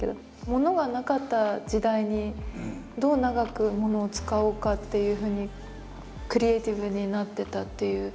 ものがなかった時代にどう長くものを使おうかっていうふうにクリエーティブになってたっていう。